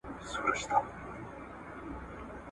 موږ که الوزو کنه خپل مو اختیار دی ,